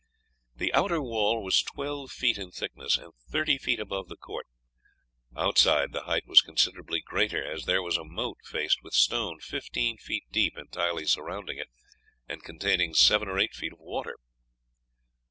The outer wall was twelve feet in thickness, and thirty feet above the court; outside the height was considerably greater, as there was a moat faced with stone fifteen feet deep entirely surrounding it, and containing seven or eight feet of water.